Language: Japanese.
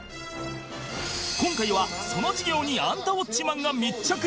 今回はその授業に『アンタウォッチマン！』が密着